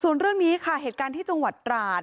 ส่วนเรื่องนี้ค่ะเหตุการณ์ที่จังหวัดตราด